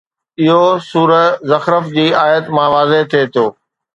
اهو سوره زخرف جي آيت مان واضح ٿئي ٿو